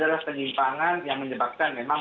adalah penyimpangan yang menyebabkan memang